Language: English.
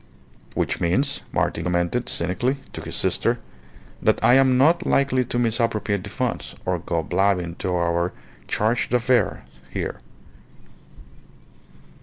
"Which means," Martin commented, cynically, to his sister, "that I am not likely to misappropriate the funds, or go blabbing to our Charge d'Affaires here."